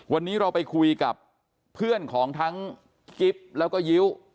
วันนี้เราไปคุยกับเพื่อนของทั้งกิ๊บแล้วก็ยิ้ว